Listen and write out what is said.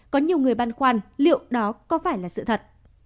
có nhiều người băn khoăn liệu đó có phải là sự thật